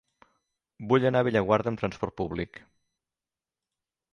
Vull anar a Bellaguarda amb trasport públic.